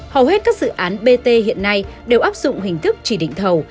hầu hết các dự án bt hiện nay đều áp dụng hình thức chỉ định thầu